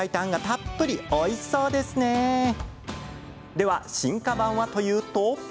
では、進化系はというと？